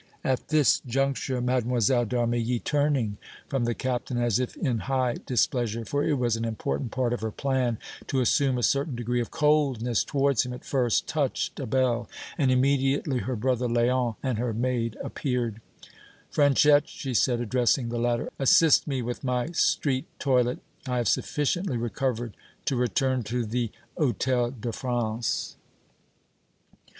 At this juncture Mlle. d' Armilly, turning from the Captain as if in high displeasure, for it was an important part of her plan to assume a certain degree of coldness towards him at first, touched a bell and immediately her brother Léon and her maid appeared. "Franchette," she said, addressing the latter, "assist me with my street toilet. I have sufficiently recovered to return to the Hôtel de France."